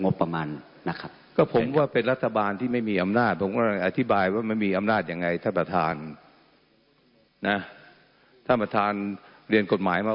ต๊อกต๊อกต๊อกต๊อกต๊อกต๊อกต๊อกต๊อกต๊อกต๊อกต๊อก